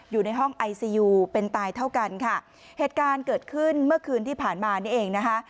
อยู่ในห้องไอซียูเป็นตายเท่ากันค่ะเหตุการณ์เกิดขึ้นเมื่อคืนที่ผ่านมานี่เองนะคะ